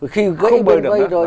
khi gãy bên vây rồi